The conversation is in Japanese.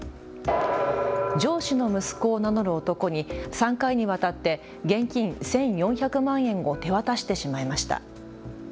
上司の息子を名乗る男に３回にわたって現金１４００万円を手渡してしまいました。